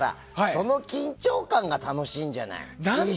その緊張感が楽しいんじゃない。